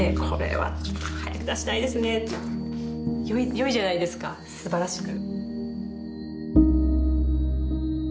良いじゃないですかすばらしく。